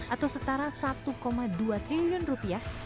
atau setara satu dua triliun rupiah